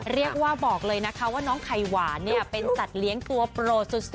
บอกเลยนะคะว่าน้องไข่หวานเนี่ยเป็นสัตว์เลี้ยงตัวโปรดสุด